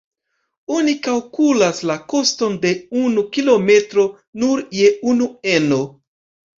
Oni kalkulas la koston je unu kilometro nur je unu eno.